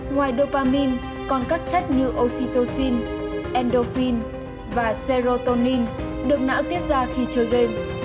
ngoài dopamine còn các chất như oxytocin endorphin và serotonin được não tiết ra khi chơi game